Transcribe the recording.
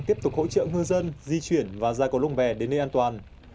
tiếp tục hỗ trợ ngư dân di chuyển và ra cầu lông bè đến nơi an toàn